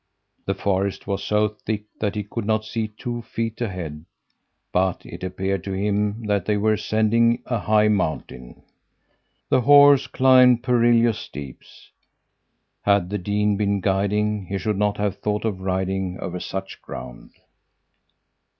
The forest was so thick that he could not see two feet ahead, but it appeared to him that they were ascending a high mountain. The horse climbed perilous steeps. Had the dean been guiding, he should not have thought of riding over such ground.